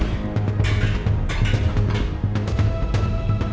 tapi jangan terlalu matang ya mas ya